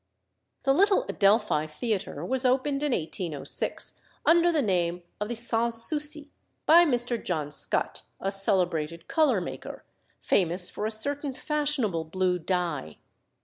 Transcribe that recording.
The "Little Adelphi" Theatre was opened in 1806 under the name of the "Sans Souci" by Mr. John Scott, a celebrated colour maker, famous for a certain fashionable blue dye.